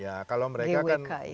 ya kalau mereka kan